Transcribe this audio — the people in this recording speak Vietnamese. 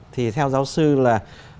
thì theo giáo sư là